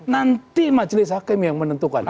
nanti majelis hakim yang menentukan